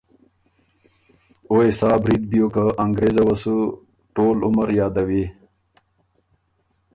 او يې سا برید بیوک که انګرېز وه سُو ټول عمر یاد دری